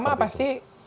ya pertama pasti